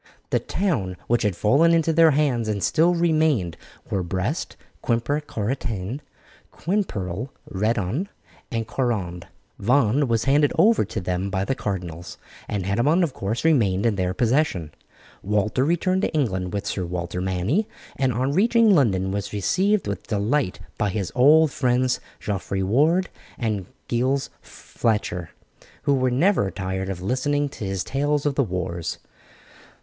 The towns which had fallen into their hands and still remained were Brest, Quimper Corentin, Quimperle, Redon, and Guerande; Vannes was handed over to them by the cardinals, and Hennebon, of course, remained in their possession. Walter returned to England with Sir Walter Manny, and on reaching London was received with delight by his old friends Geoffrey Ward and Giles Fletcher, who were never tired of listening to his tales of the wars.